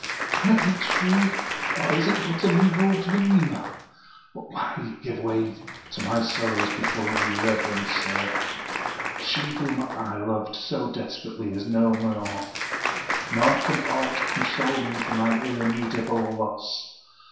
Can it be true, or is it but an evil dream? But why give way to my sorrows before you, reverend sir? She whom I 17 Oriental Mystery Stories loved so desperately is no more; nor can aught console me for my irremediable loss.